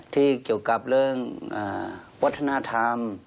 เกี่ยวกับเรื่องวัฒนธรรม